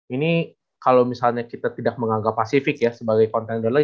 ini kalau misalnya kita tidak menganggap pasifik ya sebagai kontainer lagi